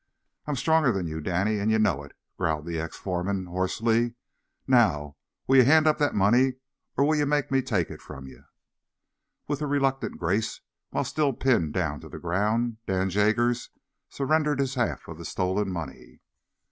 "I'm stronger than you, Danny, an' ye know it," growled the ex foreman, hoarsely. "Now, will ye hand up that money, or will ye make me take it from ye?" With a reluctant grace, while still pinned down to the ground, Dan Jaggers surrendered his half of the stolen money.